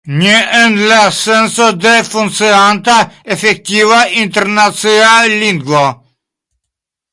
Ne en la senco de funkcianta, efektiva internacia lingvo.